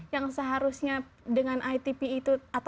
yang seharusnya dengan itp itu atau itp itu itu harus dikembangkan